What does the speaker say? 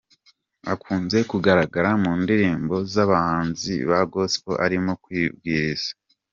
Akunze kugaragara mu ndirimbo z'abahanzi ba Gospel arimo kubwiriza.